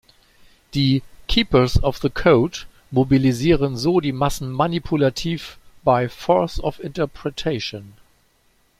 Die "keepers of the code" mobilisieren so die Massen manipulativ "by force of interpretation".